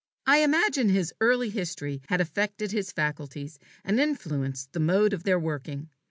I imagine his early history had affected his faculties, and influenced the mode of their working.